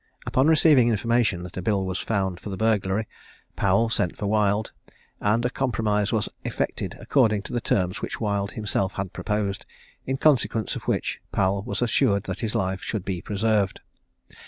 Upon receiving information that a bill was found for the burglary, Powel sent for Wild, and a compromise was effected according to the terms which Wild himself had proposed, in consequence of which Powel was assured that his life should be preserved.